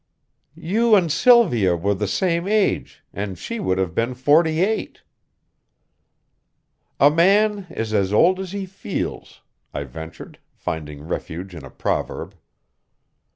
"You and Sylvia were the same age, and she would have been forty eight." "A man is as old as he feels," I ventured, finding refuge in a proverb.